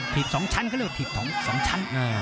ถีบสองชั้นเขาเรียกว่าถีบสองชั้น